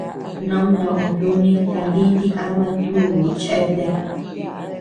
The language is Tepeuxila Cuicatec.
Nomtoʼö yuni kanditi ama tùù cheatea.